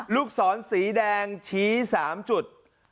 ลูกศรสีแดงชี้๓จุด